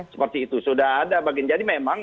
seperti itu sudah ada bagian jadi memang